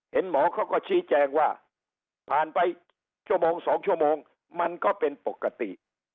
หมอเขาก็ชี้แจงว่าผ่านไปชั่วโมง๒ชั่วโมงมันก็เป็นปกติ